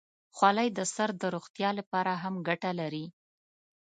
خولۍ د سر د روغتیا لپاره هم ګټه لري.